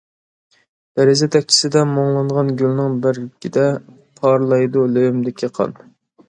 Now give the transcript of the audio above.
دېرىزە تەكچىسىدە مۇڭلانغان گۈلنىڭ بەرگىدە پارلايدۇ لېۋىمدىكى قان.